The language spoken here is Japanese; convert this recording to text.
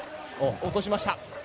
落としました。